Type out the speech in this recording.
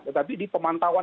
tetapi di pemantauan